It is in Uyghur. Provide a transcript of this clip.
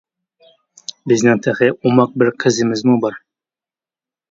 بىزنىڭ تېخى ئوماق بىر قىزىمىزمۇ بار.